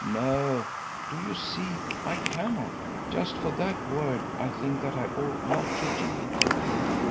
No, do you see, I cannot; just for that word I think that I ought not to yield."